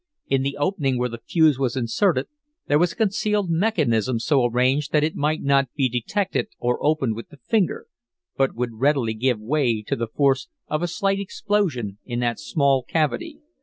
In the opening where the fuse was inserted there was a concealed mechanism so arranged that it might not be detected or opened with the finger, but would readily give way to the force of a slight explosion in that small cavity.